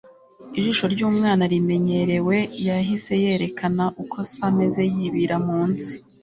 ijisho ryumwana rimenyerewe yahise yerekana uko se ameze. yibira munsi